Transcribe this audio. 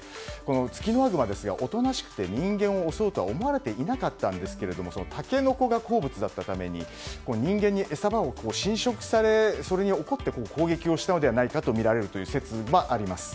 ツキノワグマはおとなしくて人間を襲うと思われていませんでしたがタケノコが好物だったために人間に餌場を侵食されそれに怒って攻撃をしたのではないかとみられるという説があります。